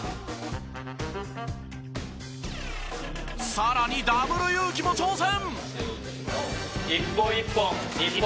さらにダブルユウキも挑戦！＃